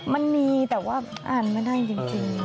มันมีแต่ว่าอ่านไม่ได้จริง